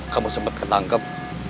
kamu sempet ketangkep